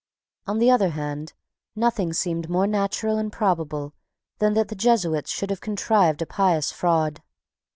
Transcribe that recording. On the other hand, nothing seemed more natural and probable than that the Jesuits should have contrived a pious fraud.